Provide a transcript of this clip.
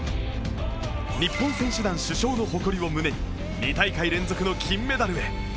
日本選手団主将の誇りを胸に２大会連続の金メダルへ。